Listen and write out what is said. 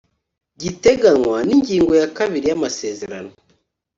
giteganywa n'ingingo ya kabiri y'amasezerano